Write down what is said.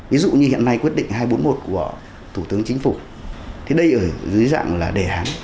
ví dụ như hiện nay quyết định hai trăm bốn mươi một của thủ tướng chính phủ thì đây ở dưới dạng là đề án